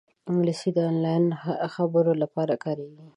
انګلیسي د آنلاین خبرو لپاره کارېږي